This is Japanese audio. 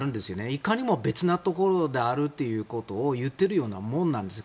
いかにも別なところであるっていうことを言っているようなものなんです。